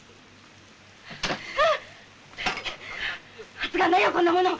熱かないよこんなもの。